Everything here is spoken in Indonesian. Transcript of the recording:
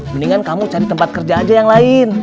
mendingan kamu cari tempat kerja aja yang lain